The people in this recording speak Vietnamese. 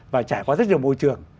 và trải qua rất nhiều môi trường